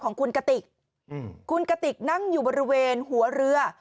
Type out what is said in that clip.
ของคุณกติกคุณกติกนั่งอยู่บริเวณหัวเรือ